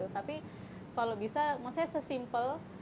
tapi kalau bisa maksud saya sesimpel